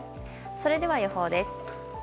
それでは予報です。